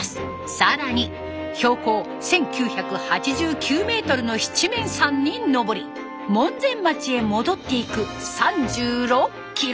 更に標高１，９８９メートルの七面山に登り門前町へ戻っていく３６キロ。